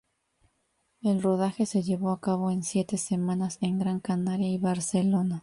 El rodaje se llevó a cabo en siete semanas en Gran Canaria y Barcelona.